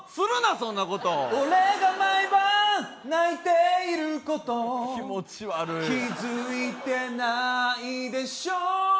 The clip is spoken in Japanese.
そんなこと俺が毎晩泣いていること気持ち悪い気づいてないでしょ